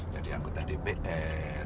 jadi anggota dpr